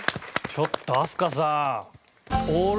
ちょっと飛鳥さん。